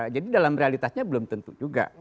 jadi dalam realitasnya belum tentu juga